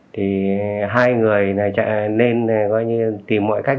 thì hai người nên tìm mọi cách